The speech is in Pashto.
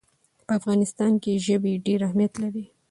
په افغانستان کې ژبې ډېر اهمیت لري.